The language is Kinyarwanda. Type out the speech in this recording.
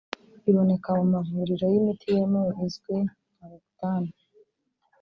iboneka mu mavuriro y’imiti yemewe izwi nka ‘Roaccutane’